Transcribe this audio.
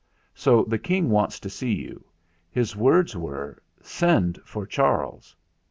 So the King wants to see you. His words were, 'Send for Charles.'